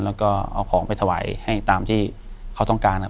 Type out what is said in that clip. แล้วก็เอาของไปถวายให้ตามที่เขาต้องการนะครับ